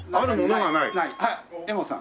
はい柄本さん。